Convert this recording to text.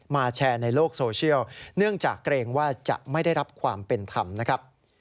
แชร์ในโลกโซเชียลเนื่องจากเกรงว่าจะไม่ได้รับความเป็นธรรมนะครับ